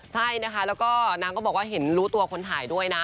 ใช่นะคะแล้วก็นางก็บอกว่าเห็นรู้ตัวคนถ่ายด้วยนะ